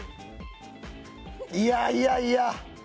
いやいやいや。